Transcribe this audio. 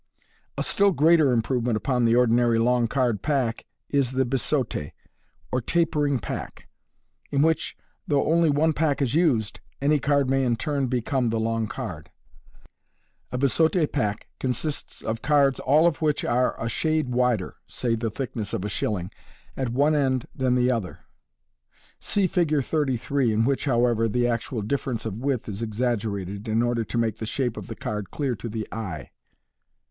A still greater improvement upon the ordinary long card pack is the biseaute or tapering pack, in which, though only one pack is used, any card may in turn become the long card. A biseaute pack consists of cards all of which are a shade wider (say the thickness of a shilling) at one end than the other. (See Fig. 33, in which, however, the actual difference of width is exaggerated, in order to make the shape of the card clear to th; eye.)